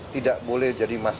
tidak boleh jadi hal yang biasa